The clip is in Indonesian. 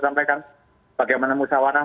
sampaikan bagaimana musawarah